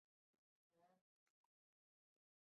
近年一日平均上下车人次的推移如下表。